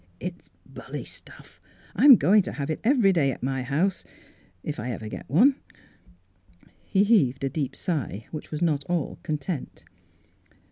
" It's bully stuff. I'm going to have it every day at my house — if I ever get one." He heaved a deep sigh, which was not all content.